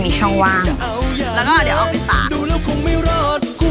เพราะว่าเราเลือกสีกา